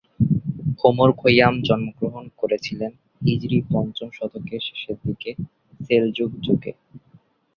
Omar Khayyam জন্ম গ্রহণ করেছিলেন হিজরী পঞ্চম শতকের শেষের দিকে সেলজুক যুগে।